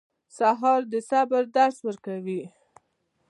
سهار د صبر درس ورکوي.